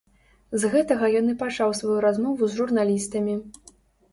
З гэтага ён і пачаў сваю размову з журналістамі.